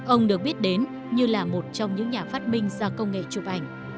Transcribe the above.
ông được biết đến như là một trong những nhà phát binh do công nghệ chụp ảnh